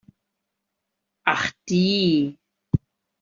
Ach die!